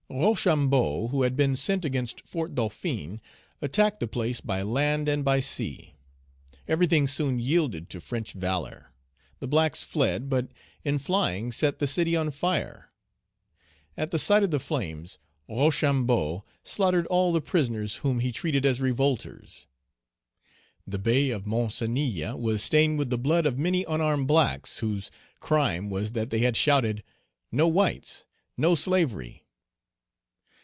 Rochambeau, who had been sent against Fort Dauphin, attacked the place by land and by sea. Everything soon yielded to French valor. The blacks fled, but in flying set the city on fire. At the sight of the flames, Rochambeau slaughtered all the prisoners, whom he treated as revolters. The bay of Mancenille was stained with the blood of many unarmed blacks, whose crime was that they had shouted, "No whites! no slavery!"